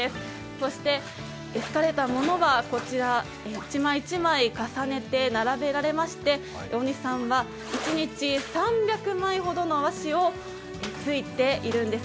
そしてすかれたものはこちら、１枚、１枚重ねて並べられまして大西さんは一日３００枚ほどの和紙をすいているんです。